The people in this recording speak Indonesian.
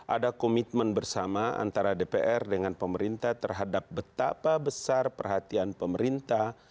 ada komitmen bersama antara dpr dengan pemerintah terhadap betapa besar perhatian pemerintah